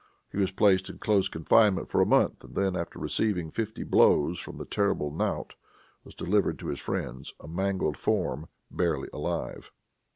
He was placed in close confinement for a month, and then, after receiving fifty blows from the terrible knout, was delivered to his friends a mangled form, barely alive.